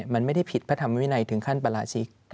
มันไม่ได้ผิดพระธรรมวินัยถึงขั้นปราชิก